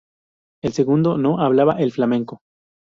El segundo no hablaba el flamenco.